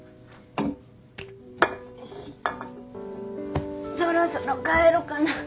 よしそろそろ帰ろっかな。